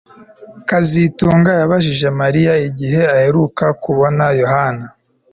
kazitunga yabajije Mariya igihe aheruka kubona Yohana